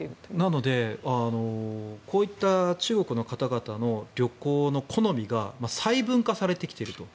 なのでこういった中国の方々の旅行の好みが細分化されてきていると。